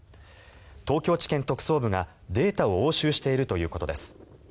東京地検特捜部がデータを押収しているということです。